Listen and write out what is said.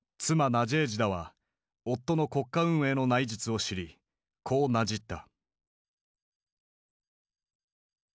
ナジェージダは夫の国家運営の内実を知りこうなじった。